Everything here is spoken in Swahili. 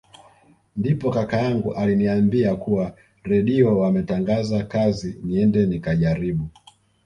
Ndipo kaka yangu aliniambia kuwa Redio wametangaza kazi niende nikajaribu